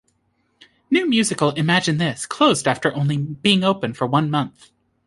New musical Imagine This closed after only being open for one month.